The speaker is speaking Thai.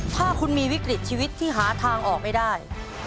ถ้าคุณมีวิกฤตชีวิตที่หาทางออกไม่ได้